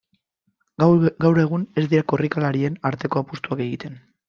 Gaur egun ez dira korrikalarien arteko apustuak egiten.